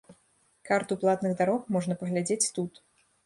Карту платных дарог можна паглядзець тут.